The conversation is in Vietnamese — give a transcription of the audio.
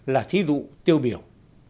là thí dụ tiêu biểu